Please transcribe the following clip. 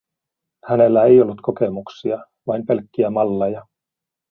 Hänellä ei ollut kokemuksia, vain pelkkiä malleja.